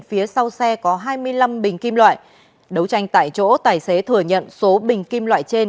phía sau xe có hai mươi năm bình kim loại đấu tranh tại chỗ tài xế thừa nhận số bình kim loại trên